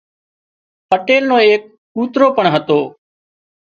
پٽيل نو ايڪ ڪوترو پڻ هتو